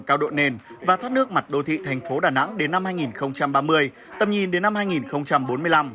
cao độ nền và thoát nước mặt đô thị thành phố đà nẵng đến năm hai nghìn ba mươi tầm nhìn đến năm hai nghìn bốn mươi năm